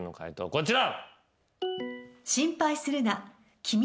こちら。